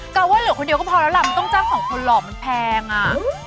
ว่าเหลือคนเดียวก็พอแล้วล่ะมันต้องจ้างของคนหลอกมันแพงอ่ะ